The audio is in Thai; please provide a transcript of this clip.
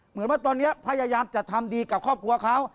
เหมือนว่าตอนนี้พยายามจะทำดีกับครอบครัวเขา